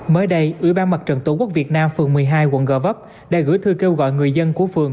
mới đây ubnd tổ quốc việt nam phường một mươi hai quận gò vấp đã gửi thư kêu gọi người dân của phường